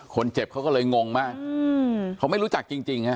คนเจ็บเขาก็เลยงงมากเขาไม่รู้จักจริงฮะ